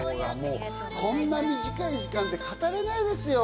こんな短い時間で語れないですよ。